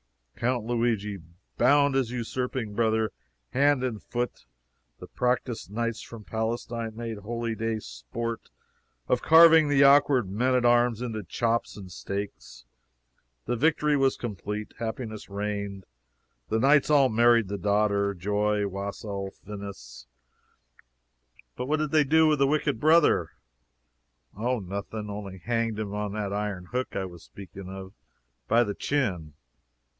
]=== Count Luigi bound his usurping brother hand and foot. The practiced knights from Palestine made holyday sport of carving the awkward men at arms into chops and steaks. The victory was complete. Happiness reigned. The knights all married the daughter. Joy! wassail! finis! "But what did they do with the wicked brother?" "Oh nothing only hanged him on that iron hook I was speaking of. By the chin."